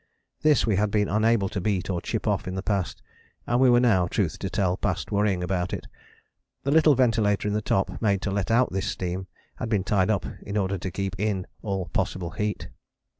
This we had been unable to beat or chip off in the past, and we were now, truth to tell, past worrying about it. The little ventilator in the top, made to let out this steam, had been tied up in order to keep in all possible heat.